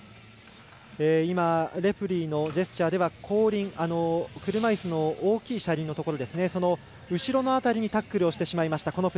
レフェリーのジェスチャーでは後輪車いすの大きい車輪のところ後ろの辺りにタックルをしてしまいました。